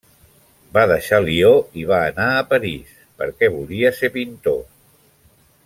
Va deixar Lió i va anar a París perquè volia ser pintor.